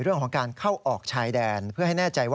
เรื่องของการเข้าออกชายแดน